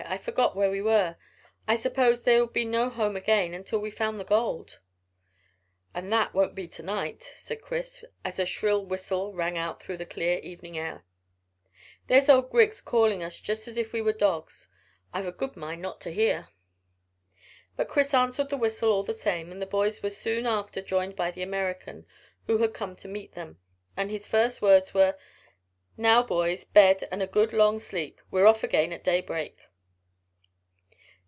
"I forgot where we were. I suppose there'll be no home again till we've found the gold." "And that won't be to night," said Chris, as a shrill whistle rang out through the clear evening air. "There's old Griggs calling us just as if we were dogs. I've a good mind not to hear." But Chris answered the whistle all the same, and the boys were soon after joined by the American, who had come to meet them, and his first words were "Now, boys, bed and a good long sleep. We're off again at daybreak."